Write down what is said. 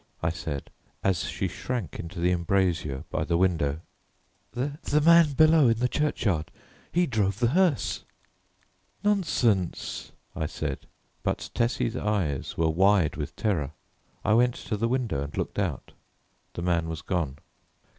I said, as she shrank into the embrasure by the window. "The the man below in the churchyard; he drove the hearse." "Nonsense," I said, but Tessie's eyes were wide with terror. I went to the window and looked out. The man was gone.